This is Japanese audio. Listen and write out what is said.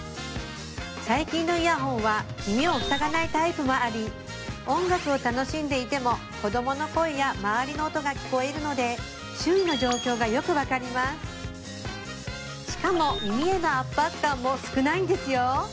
最近のイヤホンは耳をふさがないタイプもあり音楽を楽しんでいても子供の声や周りの音が聞こえるので周囲の状況がよく分かりますしかも耳への圧迫感も少ないんですよ